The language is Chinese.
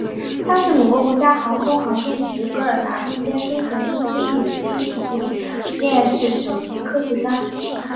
他是美国国家航空航天局戈达德空间飞行中心粒子天体物理实验室首席科学家。